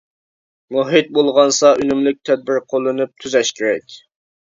مۇھىت بۇلغانسا ئۈنۈملۈك تەدبىر قوللىنىپ تۈزەش كېرەك.